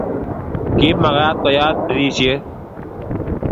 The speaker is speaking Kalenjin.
Kimagat koyat dirishet